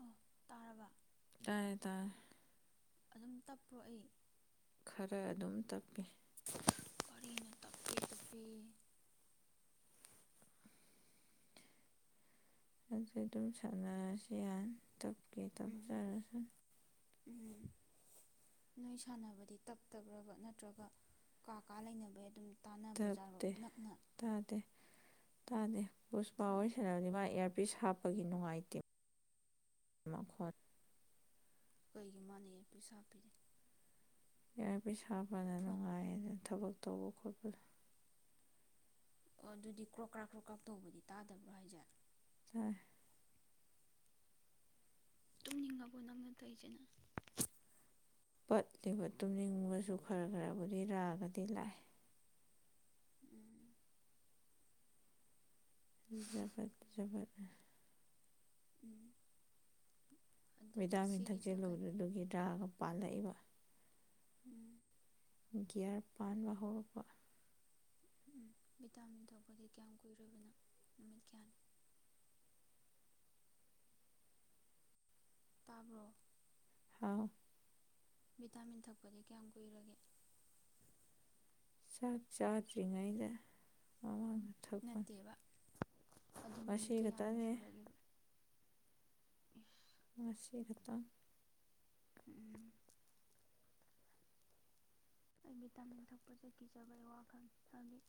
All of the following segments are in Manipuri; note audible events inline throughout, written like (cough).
ꯑꯣ ꯇꯥꯔꯕ ꯄꯥꯌꯦ ꯇꯥ ꯑꯗꯨꯝ ꯇꯞꯄ꯭ꯔꯣ ꯑꯩ ꯈꯔ ꯑꯗꯨꯝ ꯇꯥꯛꯄꯤ ꯀꯔꯤꯅ ꯇꯞꯄꯤ ꯇꯞꯄꯤ ꯑꯗꯨ ꯑꯗꯨꯝ ꯁꯥꯟꯅꯔꯁꯤ ꯌꯥ ꯀꯦ ꯇꯞ ꯎꯝ ꯆꯥꯔꯁ (inaudible) ꯅꯣꯏ ꯁꯥꯟꯅꯕꯗꯤ ꯇꯞꯇꯕ꯭ꯔꯕ ꯅꯠꯇ꯭ꯔꯒ ꯀꯥ ꯀꯥ ꯂꯩꯅꯕꯩ ꯑꯗꯨꯝ ꯇꯥꯟꯅꯕ ꯖꯥꯔꯣ ꯇꯞꯇꯦ ꯅꯛꯅ ꯇꯥꯗꯦ ꯇꯥꯗꯦ ꯄꯨꯁꯄꯥ ꯐꯣꯟ ꯋꯥꯔꯤ ꯁꯅꯔꯗꯤ ꯃꯥ ꯑꯦꯔ ꯁꯥꯔꯚꯤꯁ ꯍꯥꯞꯄꯒꯤ ꯅꯨꯡꯉꯥꯏꯇꯦ ꯃꯈꯣꯟ ꯀꯩꯒꯤ ꯃꯥꯥꯟꯅꯦ ꯄ ꯁꯥꯞ ꯄꯤꯔꯤꯦ ꯌꯥ ꯄꯩ ꯁꯥꯥꯕ ꯐꯣꯟ ꯊꯕꯛ ꯇꯧꯕ ꯈꯣꯠꯄ ꯑꯣ ꯑꯗꯨꯗꯤ ꯀ꯭ꯔꯣꯀ꯭ꯔꯥꯛ ꯀ꯭ꯔꯣꯀ꯭ꯔꯥꯥꯛ ꯇꯧꯕꯗꯤ ꯇꯥꯗꯕ꯭ꯔꯣ ꯍꯥꯏꯖꯦ ꯍ ꯇꯨꯝꯅꯤꯡꯉꯕꯣ ꯅꯪꯅ ꯇꯧꯔꯤꯖꯦ ꯄꯠꯂꯤꯕ ꯇꯨꯝꯅꯤꯡꯕꯁꯨ ꯈꯔ ꯈꯔꯕꯨꯗꯤ ꯔꯥꯒꯗꯤ ꯂꯥꯏ ꯎꯝ ꯕꯠ ꯆꯕꯠ ꯎꯝ ꯑꯗꯨꯗꯤ ꯚꯤꯇꯥꯃꯤꯟ ꯁꯤꯒꯤꯁꯦ ꯀꯩ ꯊꯛꯆꯦꯜꯂꯨꯕꯗꯨꯒꯤ ꯇꯥꯑꯒ ꯄꯥꯜꯂꯛꯏꯕ ꯎꯝ ꯒꯤꯒꯌꯥꯔ ꯄꯥꯟꯕ ꯍꯧꯔꯛꯄ ꯎꯝ ꯚꯤꯇꯥꯃꯤꯟ ꯊꯣꯛꯄꯗꯤ ꯀꯌꯥꯝ ꯀꯨꯏꯔꯔꯕꯅꯣ ꯅꯨꯃꯤꯠ ꯀꯌꯥꯅꯤ ꯇꯥꯕ꯭ꯔꯣ ꯍꯥꯎ ꯚꯤꯇꯥꯃꯤꯟ ꯊꯛꯄꯗꯤ ꯀꯌꯥꯝ ꯀꯨꯏꯔꯒꯦ ꯆꯥꯛ ꯆꯥꯗ꯭ꯔꯤꯉꯩꯗ ꯃꯃꯥꯡ ꯅꯠꯇꯦꯕ ꯑꯗꯨ ꯅꯨꯃꯤꯠ ꯀꯌꯥꯝꯅꯤ ꯉꯁꯤꯈꯛꯇꯅꯦ ꯁꯨꯔꯒꯦꯕ (inaudible) ꯉꯁꯤ ꯈꯛꯇ ꯎꯝ ꯑꯩ ꯚꯤꯇꯥꯃꯤꯟ ꯊꯛꯄꯁꯦ ꯀꯤꯖꯕꯩ ꯋꯥꯈꯜ ꯍꯥꯏꯕꯗꯤ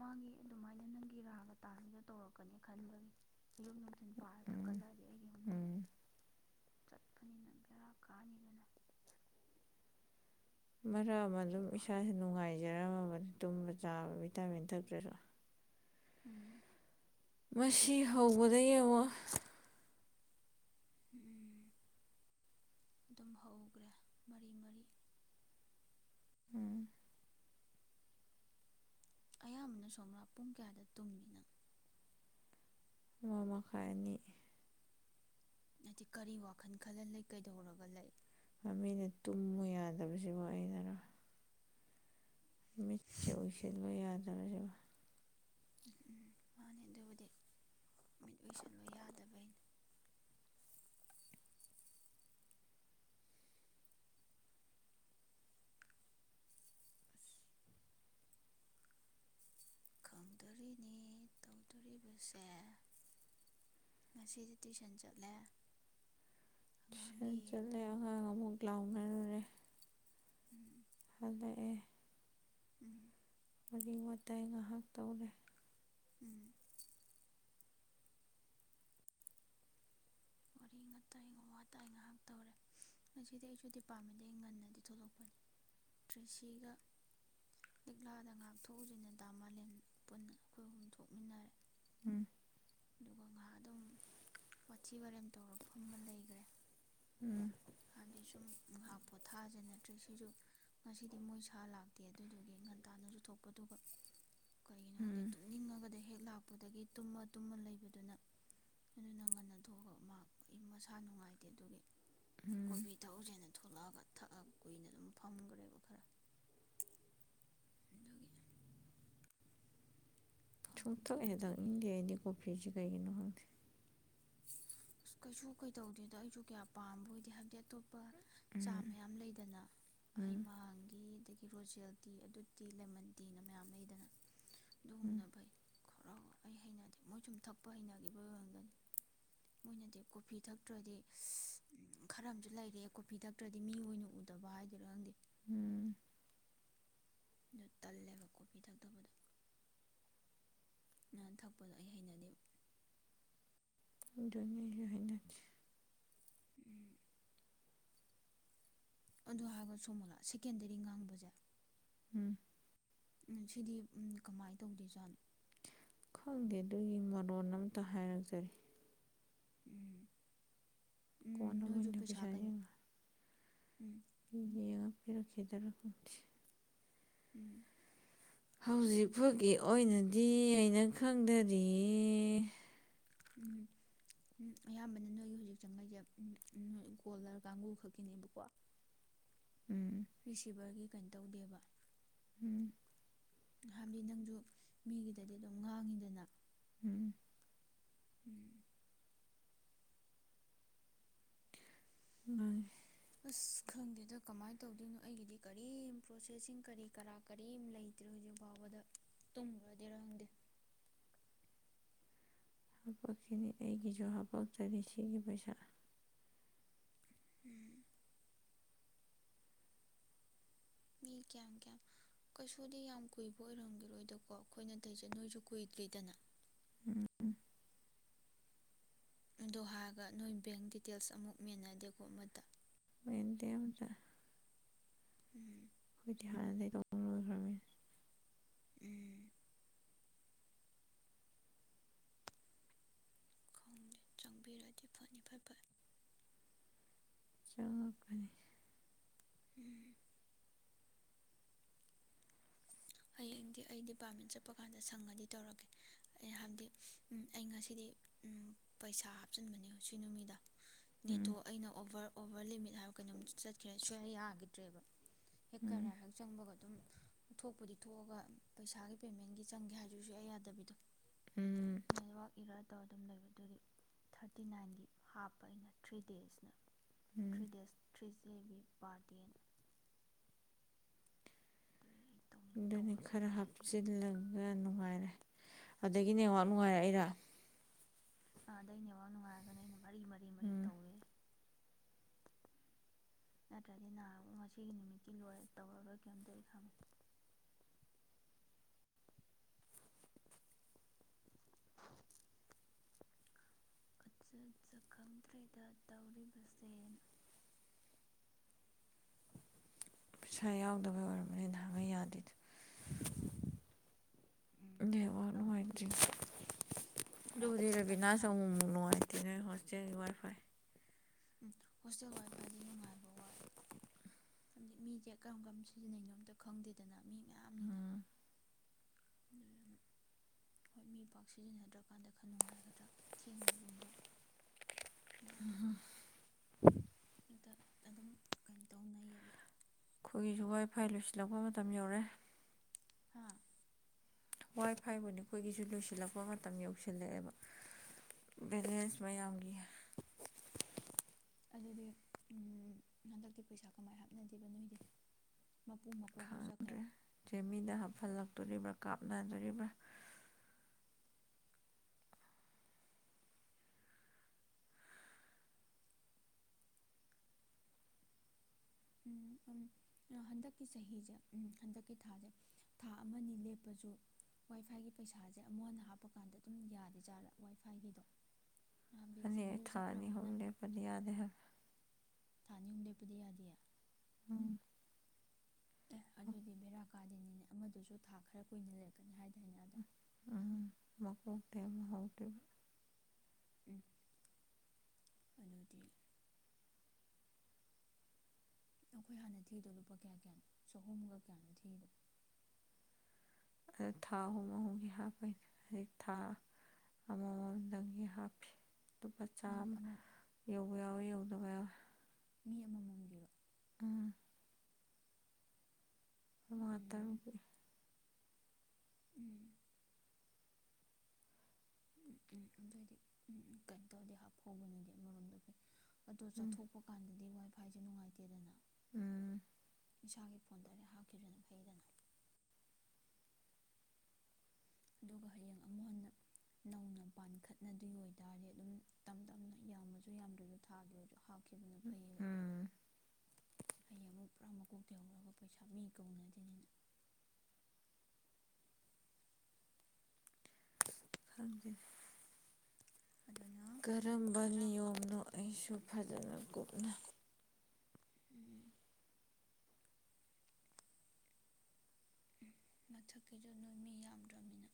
ꯃꯥꯒꯤ ꯑꯗꯨꯃꯥꯏꯅ ꯅꯪꯒꯤ ꯔꯥꯒ ꯇꯥꯕꯒ ꯇꯧꯔꯛꯀꯅꯤ ꯈꯟꯕꯒꯤ ꯑꯌꯨꯛ ꯅꯨꯡꯊꯤꯜ ꯄꯥꯔꯒ ꯎꯝ ꯊꯛꯀꯠꯂꯛꯑꯗꯤ ꯑꯩꯒꯤ ꯌꯨꯝꯅꯗꯤ ꯎꯝ ꯆꯠꯄꯅꯤꯅ ꯔꯥ ꯀꯥꯅꯤꯗꯅ ꯃꯔꯛ ꯑꯃ ꯑꯗꯨꯝ ꯄꯥꯔꯦ ꯏꯁꯥꯥꯁ ꯅꯨꯡꯉꯥꯏꯖꯔꯝꯃꯕ ꯇꯨꯝꯕ ꯆꯥꯕ ꯚꯤꯇꯥꯃꯤꯟ ꯊꯛꯇ꯭ꯔꯁꯨ ꯎꯝ ꯃꯁꯤ ꯍꯧꯕꯗ ꯌꯦꯡꯉꯣ ꯎꯝ ꯑꯗꯨꯝ ꯍꯧꯈ꯭ꯔꯦ ꯃꯔꯤ ꯃꯔꯤ ꯎꯝ ꯑꯌꯥꯝꯕꯅ ꯁꯣꯝ꯭ꯔꯥ ꯄꯨꯡ ꯀꯌꯥꯗ ꯇꯨꯝꯃꯤꯅꯪꯣ ꯑꯃ ꯃꯈꯥꯏ ꯑꯅꯤ ꯍꯥꯏꯗꯤ ꯀꯔꯤ ꯋꯥꯈꯜ ꯈꯜꯍ ꯂꯩ ꯀꯩꯗꯧꯔꯒ ꯂꯩ ꯃꯤꯅ ꯇꯨꯝꯃꯨ ꯌꯥꯗꯕꯁꯤꯕꯨ ꯑꯩꯅꯔ ꯃꯤꯠꯁꯦ ꯎꯏꯁꯤꯜꯂꯣ ꯌꯥꯗꯔꯦ ꯎꯝ ꯎꯝ ꯃꯥꯅꯤ ꯑꯗꯨꯕꯨꯗꯤ ꯃꯤꯠ ꯑꯣꯏꯁꯤꯜꯂꯣ ꯌꯥꯗꯕꯩ ꯑꯁ ꯇꯧꯗꯣꯔꯤꯅꯤ ꯇꯧꯗꯣꯔꯤꯕꯁꯦ ꯉꯁꯤꯗꯤ ꯇꯨꯏꯁꯟ ꯆꯠꯂꯦ ꯇꯨꯎꯁꯟ ꯑꯉꯥꯡꯒꯤ ꯆꯠꯂꯦ ꯑꯉꯥꯡ ꯑꯃꯨꯛ ꯂꯥꯎꯅꯔꯨꯔꯦ ꯎꯝ ꯍꯣꯏꯗꯍꯦ ꯎꯝ ꯋꯥꯔꯤ ꯋꯥꯇꯥꯏ ꯉꯥꯏꯍꯥꯛ ꯇꯧꯔꯦ ꯎꯝ ꯋꯥꯔꯤ ꯋꯥꯇꯥꯏ ꯉꯥꯏꯍꯥꯛ ꯇꯧꯔꯦ ꯉꯁꯤꯗꯤ ꯑꯩꯁꯨ ꯗꯤꯄꯥꯔꯠꯃꯦꯟꯗꯒꯤ ꯉꯟꯅꯗꯤ ꯊꯣꯛꯂꯛꯄꯅꯤ ꯇꯔꯤꯁꯤꯒ ꯂꯤꯛꯂꯥꯗ ꯉꯥꯏꯍꯥꯛ ꯊꯣꯛꯎꯖꯦꯅ ꯗꯥ ꯃꯥꯂꯦꯝ ꯄꯨꯟꯅ ꯑꯩꯈꯣꯏ ꯑꯍꯨꯝ ꯊꯣꯛꯃꯤꯟꯅꯔꯦ ꯎꯝ ꯑꯗꯨꯒꯒꯪꯍ ꯑꯗꯨꯝ ꯋꯥꯊꯤ ꯋꯥꯔꯦꯝ ꯇꯧꯔꯛ ꯐꯝꯃ ꯂꯩꯒ꯭ꯔꯦ ꯎꯝ ꯁꯨꯝ ꯉꯥꯏꯍꯥꯛ ꯄꯣꯊꯥꯖ ꯅꯠꯇ꯭ꯔ ꯁꯤꯁꯨ ꯉꯁꯤꯗꯤ ꯃꯣꯏ ꯁꯥꯔ ꯂꯥꯛꯇꯦ ꯑꯗꯨꯗꯨꯒꯤ ꯉꯟꯇꯥꯥꯟꯅꯁꯨ ꯊꯣꯛꯄ ꯑꯗꯨꯒ ꯀꯩꯒꯤꯅꯣ ꯈꯪꯗꯦ ꯎꯝ ꯇꯨꯝꯅꯤꯡꯉꯒꯗ ꯂꯩ ꯍꯦꯛ ꯂꯥꯛꯄꯗꯒꯤ ꯇꯨꯝꯃ ꯇꯨꯝꯃ ꯂꯩꯕꯗꯨꯅ ꯑꯗꯨꯅ ꯉꯟꯅ ꯊꯣꯛꯑꯒ ꯃꯍꯥꯛ ꯑꯩ ꯃꯁꯥ ꯅꯨꯡꯉꯥꯏꯇꯦ ꯑꯗꯨꯒꯤ ꯎꯝ ꯀꯣꯐꯤ ꯊꯛꯎꯁꯦꯅ ꯑꯗꯨ ꯊꯣꯂꯛꯑꯒ ꯊꯛꯑꯒ ꯀꯨꯏꯅ ꯑꯗꯨꯝ ꯐꯝꯒ꯭ꯔꯦꯕ ꯈꯔ ꯑꯗꯨꯒꯤ ꯁꯨꯡ ꯊꯛ ꯍꯦꯛ ꯐꯝꯈꯤꯕꯗꯒꯤ ꯊꯛꯅꯤꯡꯗꯦ ꯑꯩꯗꯤ ꯀꯣꯐꯤꯁꯨꯦ ꯀꯩꯒꯤꯅꯣ ꯈꯪꯗꯦ ꯀꯩꯁꯨ ꯀꯩꯇꯧꯗꯦꯗꯣ ꯑꯩꯁꯨ ꯀꯌꯥ ꯄꯥꯝꯕ ꯑꯣꯏꯗꯦ ꯍꯥꯏꯕꯗꯤ ꯑꯗꯨꯝ ꯂꯄ ꯆꯥ ꯃꯌꯥꯝ ꯂꯩꯗꯅ ꯍꯩꯃꯥꯡꯒꯤꯗꯒꯤ ꯍꯤꯔꯣꯖꯦꯜ ꯇꯤ ꯑꯗꯨꯗꯤ ꯂꯦꯃꯟ ꯇꯤꯅ ꯃꯌꯥꯝ ꯂꯩꯗꯅ ꯎꯝ ꯑꯗꯨꯒꯨꯝꯅ ꯐꯩ ꯈꯔ ꯑꯩ ꯍꯩꯅꯗꯦ ꯃꯣꯏ ꯁꯨꯝ ꯊꯛꯄ ꯍꯩꯅꯈꯤꯕ ꯑꯣꯏꯔꯝꯒꯅꯤ ꯃꯣꯏꯅꯗꯤ ꯀꯣꯐꯤ ꯊꯛꯇ꯭ꯔꯗꯤ ꯈꯔ ꯑꯃꯁꯨ ꯂꯩꯔꯦ ꯀꯣꯐꯤ ꯊꯛꯇ꯭ꯔꯗꯤ ꯃꯤ ꯑꯣꯏꯅ ꯎꯗꯕ ꯍꯥꯏꯗꯣꯏꯔꯥ ꯈꯪꯗꯦ ꯎꯝ ꯑꯗꯨ ꯇꯜꯂꯦꯕ ꯀꯣꯐꯤ ꯊꯛꯊꯕꯗꯣ ꯉꯍꯥꯟ ꯊꯛꯄꯗꯣ ꯑꯩ ꯍꯩꯅꯗꯦꯕ ꯗꯅꯤ ꯌ ꯑꯣꯏꯅ ꯑꯗꯨ ꯍꯥꯏꯔꯒ ꯁꯣꯝꯃꯣꯂ ꯁꯦꯀꯦꯟꯗꯔꯤ ꯉꯥꯡꯕꯁꯦ ꯎꯝ ꯎꯝ ꯁꯤꯗꯤ ꯀꯃꯥꯏꯅ ꯇꯧꯗꯦꯖꯥꯠꯅꯣ ꯈꯪꯗꯦ ꯑꯗꯨꯒꯤ ꯃꯔꯣꯟ ꯑꯝꯇ ꯍꯥꯏꯔꯖꯔꯤ ꯀꯅ ꯃꯅ ꯄꯖꯉ ꯎꯝ ꯌꯦ ꯐꯔ ꯈꯈꯤꯗꯔ ꯎꯝ ꯍꯧꯖꯤꯛ ꯐꯥꯎꯒꯤ ꯑꯣꯏꯅꯗꯤ ꯑꯩꯅꯪ ꯈꯪꯗꯗꯤ ꯎꯝ ꯎꯝ ꯑꯌꯥꯝꯕꯅ ꯅꯣꯏꯒꯤ ꯍꯧꯖꯤꯛ ꯆꯪꯉꯩꯁꯦ ꯒꯣꯜꯂꯔ ꯀꯥꯡꯒꯨ ꯈꯛꯀꯤꯅꯦꯕꯀꯣ ꯎꯝ ꯑ ꯐꯤꯚꯔꯒꯤ ꯀꯩꯅꯣ ꯇꯧꯗꯦꯕ ꯎꯝ ꯍꯥꯏꯕꯗꯤ ꯅꯪꯁꯨ ꯃꯤꯒꯤꯗꯗꯤ ꯑꯗꯨꯝ ꯉꯥꯡꯉꯤꯗꯅ ꯎꯝ ꯎꯝ ꯑ ꯑꯁ ꯈꯪꯗꯦꯗ ꯀꯃꯥꯏꯅ ꯇꯧꯗꯣꯏꯅꯣ ꯑꯩꯒꯤꯗꯤ ꯀꯔꯤꯝ ꯄ꯭ꯔꯣꯁꯦꯁꯁꯤꯡ ꯀꯔꯤ ꯀꯔꯥ ꯀꯔꯤꯝ ꯂꯩꯇ꯭ꯔꯦ ꯍꯧꯖꯤꯛ ꯐꯥꯎꯕꯗ ꯇꯨꯝꯈ꯭ꯔꯗꯤꯦꯔꯥ ꯈꯪꯗꯦ ꯍꯥꯄꯛꯁꯤꯅꯤ ꯑꯩꯒꯤꯁꯨ ꯍꯥꯄꯆꯔꯤ ꯁꯤꯒꯤ ꯄꯩꯁꯥ ꯎꯝ ꯃꯤ ꯀꯌꯥꯝ ꯀꯌꯥꯝ ꯀꯩꯁꯨꯗꯤ ꯌꯥꯝ ꯀꯨꯏꯕ ꯑꯣꯏꯔꯝꯒꯔꯣꯏꯗꯀꯣ ꯑꯩꯈꯣꯏꯅ ꯇꯩꯖ ꯅꯣꯏꯁꯨ ꯀꯨꯏꯗ꯭ꯔꯤꯗꯅ ꯎꯝ ꯎꯝ ꯑꯗꯣ ꯍꯥꯏꯔꯒ ꯅꯣꯏ ꯕꯦꯡ ꯗꯤꯇꯦꯜꯁ ꯑꯃꯨꯛ ꯃꯦꯟꯅꯗꯦꯀꯣ ꯑꯃꯗ ꯃꯦꯟꯇꯗ ꯎꯝ ꯑꯩꯖꯤꯗꯤ ꯍꯥꯟꯅꯗꯒꯤ ꯇꯣꯡ ꯂꯣꯏꯈ꯭ꯔꯅꯤ ꯎꯝ ꯈꯦ ꯆꯪꯕꯤꯔꯗꯤ ꯐꯅꯤ ꯐꯔ ꯐꯔ ꯆꯠ ꯀꯅꯤ ꯎꯝ ꯍꯌꯦꯡꯗꯤ ꯑꯩ ꯗꯤꯄꯥꯔꯠꯃꯦꯟ ꯆꯠꯄ ꯀꯥꯟꯗ ꯁꯪꯉꯗꯤ ꯇꯧꯔꯀꯦ ꯍꯥꯏꯕꯗꯤ ꯑꯩ ꯉꯁꯤꯗꯤ ꯄꯩꯁꯥ ꯍꯥꯞꯆꯤꯟꯕꯅꯦ ꯁꯤ ꯅꯨꯃꯤꯗ ꯎꯝ ꯅꯦꯇꯣ ꯑꯩꯅ ꯑꯣꯚꯔ ꯑꯣꯚꯔ ꯂꯤꯃꯤꯠ ꯍꯥꯏꯕ ꯀꯩꯅꯣꯝ ꯆꯠꯈ꯭ꯔꯦ ꯁ ꯌꯥꯈꯤꯗ꯭ꯔꯦꯕ ꯍꯦꯛ ꯎꯝ ꯈꯔ ꯍꯦꯛ ꯆꯪꯕꯒ ꯑꯗꯨꯝ ꯊꯄꯔꯤ ꯊꯣꯛꯑꯒ ꯄꯩꯁꯥꯒꯤ ꯄꯦꯃꯦꯟꯒꯤ ꯆꯪꯒꯦ ꯍꯥꯏꯗꯨꯁꯨ ꯑꯩ ꯌꯥꯗꯕꯤꯗꯣ ꯎꯝ ꯏꯔ ꯇꯧꯔ ꯑꯗꯨꯝ ꯂꯩꯕ ꯑꯗꯨꯗꯤ ꯊꯥꯔꯇꯤ ꯅꯥꯏꯟꯒꯤ ꯍꯥꯞꯄ ꯑꯩꯅ ꯊ꯭ꯔꯤ ꯗꯦꯖꯅ ꯎꯝ ꯊ꯭ꯔꯤ ꯗꯦꯁ ꯊ꯭ꯔꯤ ꯀꯦꯕꯤ ꯄꯥꯔꯇꯤꯟ ꯑꯗꯨꯅꯤ ꯇꯧꯔꯒꯦ ꯈꯔ ꯃꯁꯤꯗꯤ ꯍꯥꯞꯆꯤꯜꯂꯒ ꯅꯨꯡꯉꯥꯏꯔꯦ ꯑꯗꯒꯤ ꯅꯦꯋꯥꯛ ꯅꯨꯡꯉꯥꯏꯔꯛꯏꯔ ꯑ ꯑꯗꯩ ꯅꯦꯋꯥꯛ ꯅꯨꯡꯉꯥꯏꯔꯒꯅꯤ ꯑꯩꯅ ꯃꯔꯤ ꯃꯔꯤ ꯃꯔꯤ ꯎꯝ ꯇꯧꯔꯦ ꯅꯠꯇ꯭ꯔꯗꯤ ꯅꯍꯥꯃꯨꯛ ꯉꯁꯤꯒꯤ ꯅꯨꯃꯤꯠꯀꯤ ꯂꯣꯏ ꯇꯧꯔꯒ ꯀꯩꯏꯝꯇ ꯑꯩ ꯈꯪꯉꯤ ꯆꯠꯆ ꯈꯪꯗ꯭ꯔꯦꯗ ꯇꯧꯔꯤꯕꯁꯦ ꯄꯤꯁꯥ ꯌꯥꯎꯗꯕꯩ ꯑꯣꯏꯔꯝꯃꯅꯤ ꯅꯍꯥꯡꯒꯩ ꯌꯥꯗꯤꯗꯣ ꯅꯤꯋꯥꯛ ꯅꯨꯡꯉꯥꯏꯇꯔꯤ ꯑꯗꯨ ꯑꯗꯨꯕꯨꯗꯤ ꯔꯥꯕꯤꯅꯥꯁꯨ ꯅꯍꯥ ꯑꯃꯨꯛ ꯃꯨꯛ ꯅꯨꯡꯉꯥꯏꯇꯦꯅ ꯍꯥꯏ (unintelligible) ꯋꯥꯏ ꯐꯥꯏ ꯎꯝ ꯍꯣꯁꯇꯦꯜ ꯋꯥꯏꯐꯥꯏꯗꯤ ꯅꯨꯡꯉꯥꯏꯕ ꯋꯥꯠꯂꯦ ꯍꯝꯗꯤ ꯃꯤꯖꯦ ꯀꯔꯝ ꯀꯔꯝ ꯁꯤꯖꯤꯟꯅꯩꯅꯣ ꯑꯝꯇ ꯈꯪꯗꯦꯗꯅ ꯃꯤ ꯃꯌꯥꯝ ꯑꯝ ꯑꯗꯨꯗꯨꯅ ꯍꯣꯏ ꯃꯤ ꯄꯥꯛ ꯁꯤꯖꯤꯟꯅꯗ꯭ꯔꯀꯥꯟꯗ ꯈꯔ ꯅꯨꯡꯉꯥꯏꯒꯗ꯭ꯔꯥ ꯊꯦꯡꯉꯒꯨꯝꯕ ꯅꯠꯇ꯭ꯔꯗꯤ (unintelligible) ꯍꯦꯛꯇ ꯑꯗꯨꯝ ꯀꯩꯅꯣ ꯇꯧꯅꯩꯌꯦꯕ ꯈꯣꯏꯒꯤꯖꯨ ꯋꯥꯏꯐꯥꯏ ꯂꯣꯏꯁꯤꯜꯂꯛꯄ ꯃꯇꯝ ꯌꯧꯔꯦ ꯍꯥꯥ ꯋꯥꯏ ꯐꯥꯏꯕꯨꯅꯤ ꯈꯣꯏꯒꯤꯖꯨ ꯂꯣꯏꯁꯤꯜꯂꯛꯄ ꯃꯇꯝ ꯌꯧꯁꯤꯜꯂꯦꯑꯦꯕ ꯕꯦꯂꯦꯟꯁ ꯃꯌꯥꯝꯒꯤ ꯑꯗꯨꯗꯤ ꯎꯝ ꯍꯟꯗꯛꯇꯤ ꯄꯩꯁꯥ ꯀꯃꯥꯏ ꯍꯥꯞꯅꯗꯦꯕ ꯅꯣꯏꯗꯤ ꯃꯄꯨ ꯃꯀꯣꯛꯁꯨ ꯆꯠꯈ꯭ꯔꯦ ꯈꯥꯡꯗ꯭ꯔꯦ ꯆꯦꯃꯤꯗ ꯍꯥꯞꯐꯜꯂꯛꯇꯣꯔꯤꯕ꯭ꯔꯥ ꯀꯥꯞ ꯅꯗꯣꯔꯤꯕꯔꯥ ꯎꯝ ꯑꯝ ꯍꯟꯗꯛꯀꯤ ꯆꯍꯤꯖꯦ ꯎꯝ ꯍꯟꯗꯛꯀꯤ ꯊꯥꯖꯦ ꯊꯥ ꯑꯃꯅꯤ ꯂꯦꯞꯄꯖꯨ ꯋꯥꯏ ꯐꯥꯏꯒꯤ ꯄꯩꯁꯥꯖꯦ ꯑꯃꯨꯛ ꯍꯟꯅ ꯍꯥꯞꯄꯀꯥꯟꯗ ꯑꯗꯨꯝ ꯌꯥꯗꯦ ꯖꯥꯔ ꯋꯥꯏ ꯐꯥꯏꯒꯤꯗꯣ ꯍꯥꯏꯕꯗꯤ ꯑꯅꯤ ꯑꯩ ꯆꯦꯡꯃꯩꯁꯨ ꯊꯥ ꯑꯅꯤ ꯍꯨꯝ ꯆꯠꯈ꯭ꯔꯕꯅꯤꯅ ꯂꯦꯞꯄꯗꯤ ꯌꯥꯗꯦ ꯍꯥꯏꯕ ꯊꯥ ꯑꯅꯤ ꯍꯨꯝ ꯂꯦꯞꯄꯗꯤ ꯌꯥꯗꯤꯌꯦ ꯎꯝ ꯑꯦ ꯑꯗꯨꯗꯤ ꯕꯦꯔꯥꯛ ꯀꯥꯗꯦꯅꯤꯅꯦ ꯑꯃꯗꯨꯖꯨ ꯊꯥ ꯈꯔ ꯀꯨꯏꯅ ꯂꯩꯔꯛꯀꯅꯤ ꯍꯥꯏꯗꯥꯏꯅꯦ ꯑꯥꯗ ꯎꯝ ꯃꯀꯣꯛꯇꯩ ꯑꯃꯨꯛ ꯍꯧꯗꯣꯏꯕ ꯎꯝ ꯑꯗꯨꯗꯤ ꯑꯈꯣꯏ ꯍꯥꯟꯅ ꯊꯤꯗꯣ ꯂꯨꯄꯥ ꯀꯌꯥ ꯀꯌꯥꯅꯣ ꯆꯍꯨꯝꯒ ꯀꯌꯥꯅꯣ ꯊꯤꯗꯣ ꯑꯗꯨ ꯊꯥ ꯑꯍꯨꯝ ꯑꯍꯨꯝꯒꯤ ꯍꯥꯞꯄꯩꯅꯦ ꯍꯧꯖꯤꯛ ꯊꯥ ꯑꯃꯃꯝ ꯗꯪꯒꯤ ꯍꯥꯞꯄꯤ ꯂꯨꯄꯥ ꯆꯥꯝ ꯅꯣꯏ ꯑꯃ ꯌꯧꯕ ꯌꯥꯎꯏ ꯌꯧꯗꯕ ꯌꯥꯎꯏ ꯃꯤ ꯑꯃꯃꯝꯒꯤꯔꯣ ꯎꯝ ꯈꯣꯏ ꯃꯉꯥ ꯇꯔꯨꯛ ꯎꯝ ꯀꯤ ꯎꯝ ꯎꯝ ꯎꯝ ꯑꯗꯨꯑꯣꯏꯗꯤ ꯎꯝ ꯀꯩꯅ ꯇꯧꯔꯗꯤ ꯍꯥꯞꯍꯧꯕꯅꯗꯤ ꯑꯃꯔꯣꯝꯗ ꯐꯩ ꯑꯗꯣ ꯎꯝ ꯆꯠꯊꯣꯛꯄ ꯀꯥꯟꯗꯗꯤ ꯋꯥꯏꯕ ꯐꯥꯏꯖꯦ ꯅꯨꯡꯉꯥꯏꯇꯦꯗꯅ ꯎꯝ ꯏꯁꯥꯒꯤ ꯐꯣꯟ ꯗꯥꯏꯔꯦꯛ ꯍꯥꯞꯈꯤꯗꯅ ꯐꯩꯗꯅ ꯑꯗꯨꯒ ꯍꯌꯦꯡ ꯑꯃꯨꯛ ꯍꯟꯅ ꯅꯧꯅ ꯄꯥꯟꯈꯠꯅꯗꯣꯏ ꯑꯣꯏꯇꯥꯔꯗꯤ ꯑꯗꯨꯝ ꯇꯝ ꯇꯝꯅ ꯌꯥꯝꯃꯖꯨ ꯌꯥꯝꯗ꯭ꯔꯖꯨ ꯊꯥꯒꯤ ꯑꯣꯏꯖꯨ ꯍꯥꯥꯞ ꯂꯈꯤꯕꯕꯨꯅ ꯐꯩꯕ ꯎꯝ ꯐꯩ ꯑꯃ ꯄꯨꯔꯥ ꯃꯀꯣꯛ ꯇꯩꯍꯧꯔꯒ ꯄꯩꯁꯥ ꯃꯤ ꯀꯧꯅꯗꯦꯅꯤꯅ ꯊꯪꯗ ꯑꯗꯨꯅ ꯀꯔꯝꯕ ꯀꯔꯝꯕ ꯅꯤꯌꯣꯝꯅꯣ ꯑꯩꯁꯨ ꯐꯖꯅ ꯀꯨꯞꯅꯩ ꯎꯝ ꯃꯊꯛꯀꯤꯗꯨ ꯅꯣꯏ ꯃꯤ ꯌꯥꯝꯗ꯭ꯔꯕꯃꯤꯅ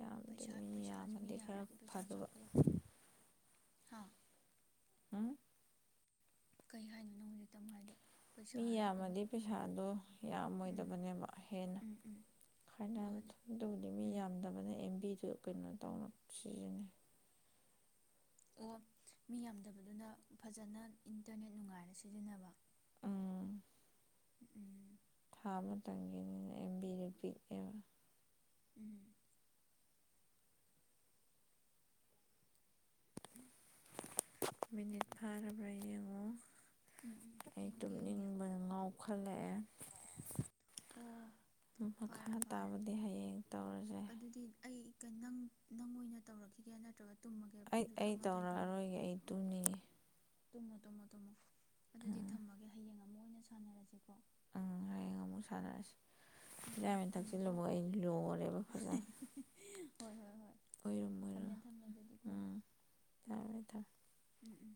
ꯌꯥꯝꯗꯤ ꯃꯤ ꯌꯥꯝꯃꯗꯤ ꯈꯔ ꯌꯥꯝꯗ꯭ꯔꯗꯤ ꯄꯩꯁꯥ ꯐꯗꯕ ꯆꯥꯎꯈꯠꯂꯛꯇꯦꯅꯦ ꯍꯥ ꯎꯝ ꯀꯩ ꯍꯥꯏꯗꯣꯏꯅꯣ ꯍꯧꯖꯤꯛꯇ ꯇꯝꯣ ꯍꯥꯏꯗꯣ ꯄꯩꯁꯥ ꯃꯤ ꯍꯥꯏꯕ꯭ꯔꯥ ꯀꯩꯅꯣ ꯌꯥꯝꯃꯗꯤ ꯄꯩꯁꯥꯗꯣ ꯎꯝ ꯌꯥꯝꯃꯣꯏꯗꯕꯅꯦꯕ ꯍꯦꯟꯅ ꯎꯝ ꯎꯝ ꯈꯥꯏꯅ ꯃꯥꯅꯦ ꯑꯗꯨꯕꯨꯗꯤ ꯃꯤ ꯎꯝ ꯌꯥꯝꯗꯕꯅ ꯑꯦꯝꯕꯤꯗ ꯑꯗꯨ ꯀꯩꯅꯣ ꯇꯧꯅ ꯁꯤꯖꯤꯦ ꯑꯣ ꯃꯤ ꯌꯥꯝꯗꯕꯗꯨꯅ ꯐꯖꯅ ꯏꯟꯇꯔꯅꯦꯠ ꯅꯨꯡꯉꯥꯏꯔ ꯁꯤꯖꯤꯟꯅꯕ ꯎꯝ ꯎꯝ ꯊꯥ ꯃꯇꯝꯒꯤꯅꯤꯅ ꯑꯦꯝ ꯕꯤꯗ ꯄꯤꯛꯑꯕ ꯎꯝ ꯃꯤꯅꯤꯠ ꯐꯥꯔꯕ꯭ꯔꯥ ꯌꯦꯡꯉꯣ ꯎꯝ ꯑꯩ ꯌꯦꯡꯒꯦ ꯌꯦꯡꯒꯦ ꯇꯨꯝꯅꯤꯡꯕ ꯉꯥꯎꯈ ꯑꯣ ꯐꯜꯂꯛꯑꯦ ꯃꯈꯥ ꯐꯔꯦ ꯐꯔꯦ ꯇꯥꯕꯗꯤ ꯍꯌꯦꯡ ꯇꯧꯔꯁꯦ ꯑꯗꯨꯗꯤ ꯑꯩ ꯅꯪ ꯅꯪ ꯑꯣꯏꯅ ꯇꯧꯔꯛꯈꯤꯒꯦ ꯅꯠꯇ꯭ꯔꯒ ꯇꯨꯝꯃꯒꯦ ꯑꯩ ꯄꯨꯡꯁꯨ ꯑꯩ ꯇꯔꯥꯃꯥꯊꯣꯏ ꯇꯧꯔꯛꯑꯔꯣꯏꯒꯦ ꯑꯩ ꯇꯨꯅꯤ ꯇꯃꯣ ꯇꯃꯣ ꯇꯃꯣ ꯑꯗꯨꯗꯤ ꯊꯝꯃꯒꯦ ꯍꯌꯦꯡ ꯑꯃꯨꯛ ꯑꯣꯏꯅ ꯁꯥꯟꯅꯔꯁꯦꯀꯣ ꯑꯪ ꯍꯌꯦꯡ ꯑꯃꯨꯛ ꯁꯥꯟꯅꯔꯁꯤ ꯎꯝ ꯎꯝ ꯆꯥꯃꯤꯟ ꯊꯝꯃꯦꯀꯣ ꯊꯛꯆꯤꯜꯂꯨꯕ ꯑꯩ ꯂꯣꯜꯔꯦꯕ ꯐꯖꯅ ꯍꯣꯏ ꯍꯣꯏ ꯍꯣꯏ ꯑꯣꯏꯔꯨꯝ ꯊꯝꯃꯦ ꯑꯣꯏꯔꯨꯝ ꯊꯝꯃꯦ ꯑꯗꯨꯗꯤꯀꯣ ꯎꯝ ꯎꯝ ꯊꯝꯃꯦ ꯊꯝꯃꯦ ꯎꯝ ꯎꯝ